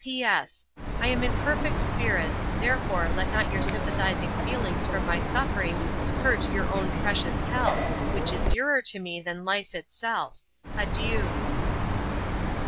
'P.S. I am in perfect spirits, therefore let not your sympathizing feelings for my sufferings hurt your own precious health, which is dearer to me than life itself. Adieu!